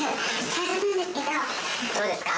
どうですか？